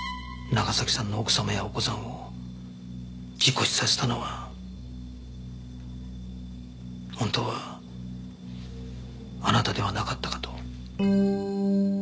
長崎さんの奥様やお子さんを事故死させたのは本当はあなたではなかったかと。